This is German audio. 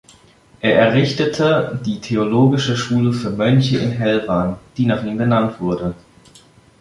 Er errichtete die theologische Schule für Mönche in Helwan, die nach ihm benannt wurde.